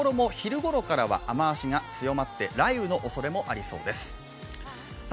札幌も昼ごろからは雨足が強まって、雷雨のおそれもありそうです。